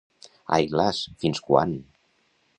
Ai las, fins quan?